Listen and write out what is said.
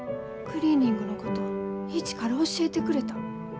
クリーニングのこと一から教えてくれた。